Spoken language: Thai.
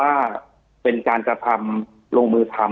จนถึงปัจจุบันมีการมารายงานตัว